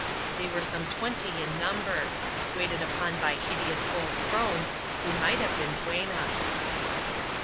They were some twenty in number ; waited upon by hideous old crones, who might have been duennas.